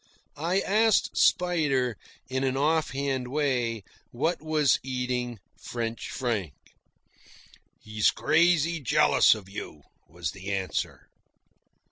I asked Spider, in an off hand way, what was eating French Frank. "He's crazy jealous of you," was the answer.